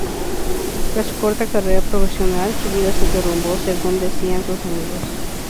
Tras su corta carrera profesional, su vida se derrumbó, según decían sus amigos.